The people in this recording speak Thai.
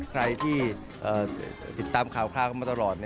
ใครที่ติดตามข่าวกันมาตลอด